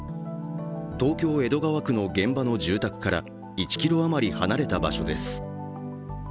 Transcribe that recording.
東京・江戸川区の現場の住宅から１ｋｍ余り離れた場所です。